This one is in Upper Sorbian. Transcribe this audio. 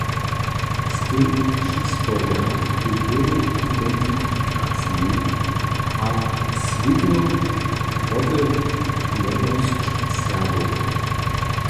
Z tym přisporja kulturnu identifikaciju a swětawotewrjenosć Serbow.